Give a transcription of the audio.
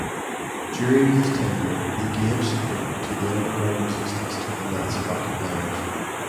During his tenure, he gave support to the underground resistance to the Nazi occupiers.